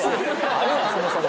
あるわそもそも。